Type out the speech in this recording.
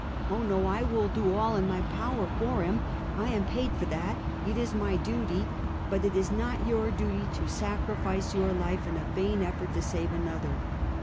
oh no! I will do all in my power for him. I am paid for that; it is my duty; but it is not your duty to sacrifice your own life in a vain effort to save another."